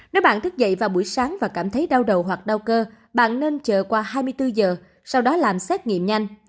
nếu bạn thức dậy vào buổi sáng và cảm thấy đau đầu hoặc đau cơ bạn nên chờ qua hai mươi bốn giờ sau đó làm xét nghiệm nhanh